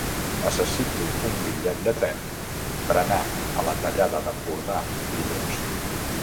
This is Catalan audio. Necessito un bitllet de tren per anar a la Tallada d'Empordà dilluns.